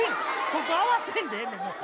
そこ合わせんでええねん。